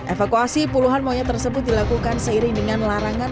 evakuasi puluhan monyet tersebut dilakukan seiring dengan larangan